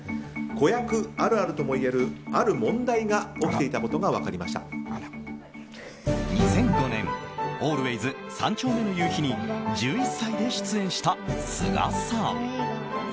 子役あるあるともいえるある問題が起きていたことが２００５年、「ＡＬＷＡＹＳ三丁目の夕日」に１１歳で出演した須賀さん。